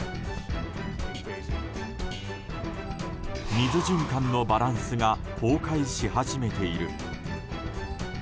水循環のバランスが崩壊し始めている。